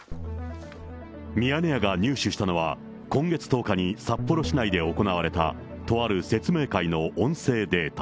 ミヤネ屋が入手したのは、今月１０日に、札幌市内で行われた、とある説明会の音声データ。